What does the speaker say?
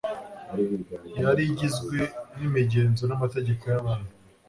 yari igizwe n'imigenzo n'amategeko y'abantu.